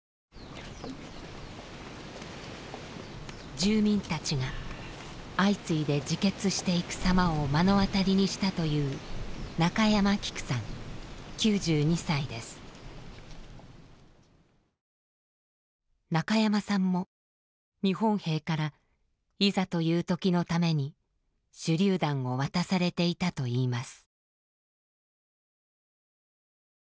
住民たちが相次いで自決していくさまを目の当たりにしたという中山さんも日本兵からいざというときのために手りゅう弾を渡されていたといいます。